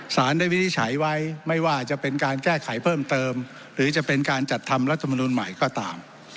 สารได้วินิจฉัยไว้ไม่ว่าจะเป็นการแก้ไขเพิ่มเติมหรือจะเป็นการจัดทำรัฐมนุนใหม่ก็ตาม